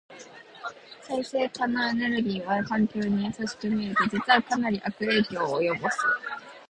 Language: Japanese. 再生可能エネルギーは環境に優しく見えて、実はかなり悪影響を及ぼす。